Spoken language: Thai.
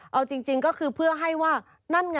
เอาจริงก็คือเพื่อให้ว่านั่นไง